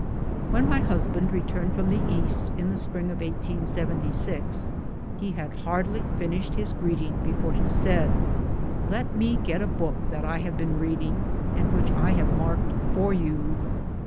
When my husband returned from the East in the spring of 1876 he had hardly finished his greeting be fore he said, " Let me get a book that I have been read ing, and which I have marked for you."